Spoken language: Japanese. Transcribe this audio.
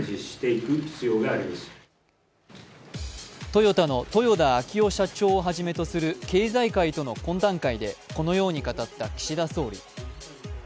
トヨタの豊田章男社長をはじめとする経済界との懇談会でこのように語った岸田総理。